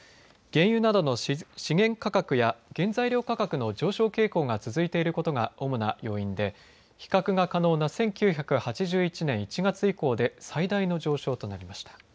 原油などの資源価格や原材料価格の上昇傾向が続いていることが主な要因で比較が可能な１９８１年１月以降で最大の上昇となりました。